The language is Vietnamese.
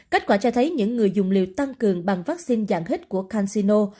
kết quả cho thấy những người dùng liệu tăng cường bằng vaccine dạng hít của cansino